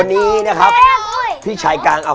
น้องไอ้หน้านี้เขาเหมาะเลยนะ